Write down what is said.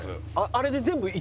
あれで。